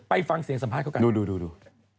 ไปฟังเสียงสัมภาษณ์เข้ากันนะครับดูดู